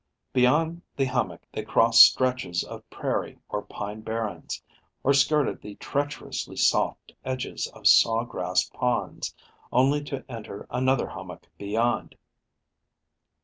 Beyond the hummock they crossed stretches of prairie or pine barrens, or skirted the treacherously soft edges of saw grass ponds, only to enter another hummock beyond.